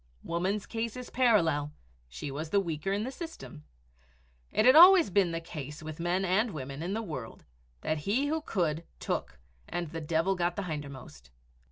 Woman's case was parallel she was the weaker in the system. It had always been the case with men and women in the world that he who could took and the devil got the hindermost.